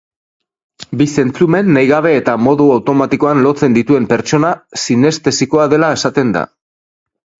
Bi zentzumen nahi gabe eta modu automatikoan lotzen dituen pertsona sinestesikoa dela esaten da.